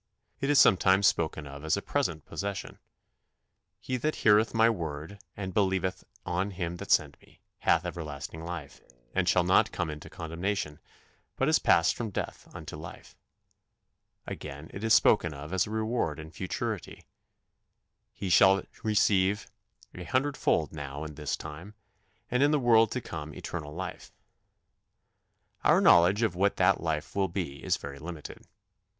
It is sometimes spoken of as a present possession: "He that heareth my word, and believeth on him that sent me, hath everlasting life, and shall not come into condemnation; but is passed from death unto life." Again it is spoken of as a reward in futurity: "He shall receive an hundredfold now in this time ... and in the world to come eternal life." Our knowledge of what that life will be is very limited.